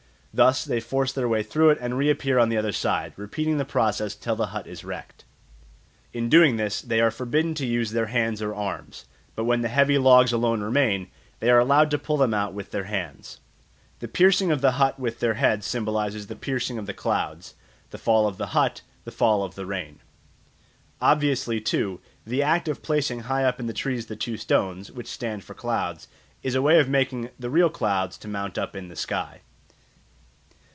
Thus they force their way through it and reappear on the other side, repeating the process till the hut is wrecked. In doing this they are forbidden to use their hands or arms; but when the heavy logs alone remain, they are allowed to pull them out with their hands. "The piercing of the hut with their heads symbolises the piercing of the clouds; the fall of the hut, the fall of the rain." Obviously, too, the act of placing high up in trees the two stones, which stand for clouds, is a way of making the real clouds to mount up in the sky.